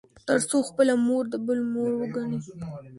تـر څـو خـپله مـور د بل مور وګـني.